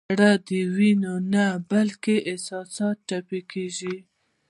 زړه د وینې نه بلکې احساساتو تپېږي.